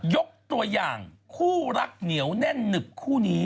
ยกตัวอย่างคู่รักเหนียวแน่นหนึบคู่นี้